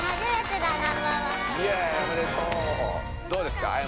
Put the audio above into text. どうですか？